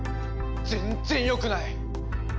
全然よくない。